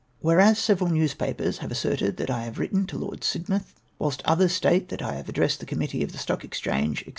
"Wliereas several newspapers have asserted that I have written to Lord Sidmouth, whilst others state that I liave addressed the committee of the Stock Exchange, &c.